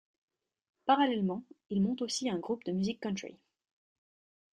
Parallèlement il monte aussi un groupe de musique country.